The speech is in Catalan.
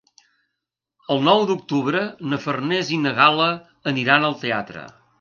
El nou d'octubre na Farners i na Gal·la aniran al teatre.